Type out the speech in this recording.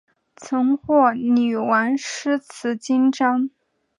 曾获女王诗词金章。